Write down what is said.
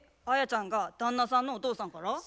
アヤちゃんが旦那さんのお父さんから？